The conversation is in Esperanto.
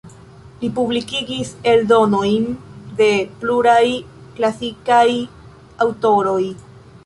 Li publikigis eldonojn de pluraj klasikaj aŭtoroj.